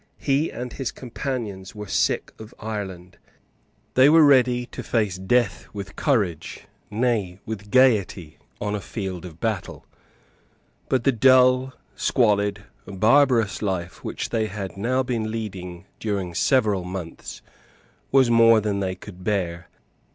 He and his companions were sick of Ireland. They were ready to face death with courage, nay, with gaiety, on a field of battle. But the dull, squalid, barbarous life, which they had now been leading during several months, was more than they could bear.